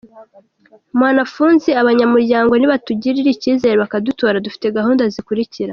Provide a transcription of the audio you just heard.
Mwanafunzi: Abanyamuryango nibatugirira icyizere bakadutora, dufite gahunda zikurikira:.